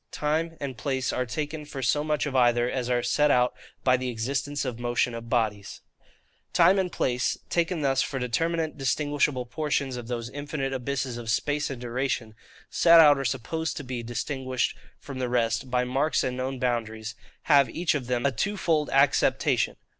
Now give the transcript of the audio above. Time and Place are taken for so much of either as are set out by the Existence and Motion of Bodies. Time and place, taken thus for determinate distinguishable portions of those infinite abysses of space and duration, set out or supposed to be distinguished from the rest, by marks and known boundaries, have each of them a twofold acceptation.